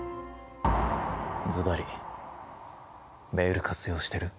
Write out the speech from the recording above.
ずばりメール活用してる？